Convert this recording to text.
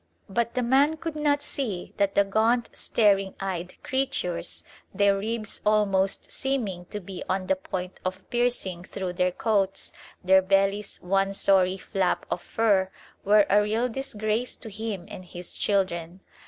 But the man could not see that the gaunt staring eyed creatures, their ribs almost seeming to be on the point of piercing through their coats, their bellies one sorry flap of fur, were a real disgrace to him and his children.